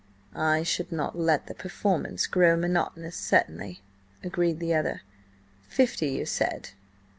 "I should not let the performance grow monotonous, certainly," agreed the other. "Fifty, you said?"